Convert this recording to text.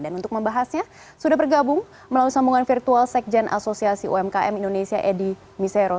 dan untuk membahasnya sudah bergabung melalui sambungan virtual sekjen asosiasi umkm indonesia edi miseros